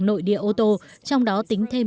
nội địa ô tô trong đó tính thêm